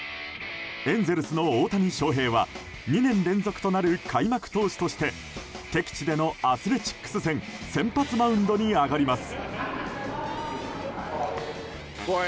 エンゼルスの大谷翔平は２年連続となる開幕投手として敵地でのアスレチックス戦先発マウンドに上がります。